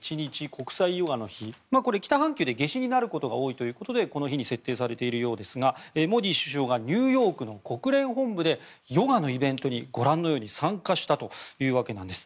国際ヨガの日これは北半球で夏至になることが多いということでこの日に設定されているようですがモディ首相がニューヨークの国連本部でヨガのイベントにご覧のように参加したというわけなんです。